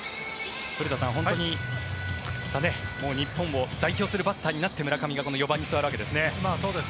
古田さん、本当に日本を代表するバッターになって村上がこの４番に座るわけですね。